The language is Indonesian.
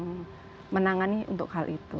spesifik dari indonesia